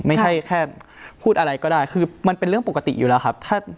ไม่ใช่แค่พูดอะไรก็ได้คือมันเป็นเรื่องปกติอยู่แล้วครับ